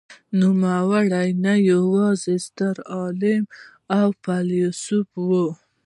نوموړی نه یوازې ستر عالم او فیلسوف و.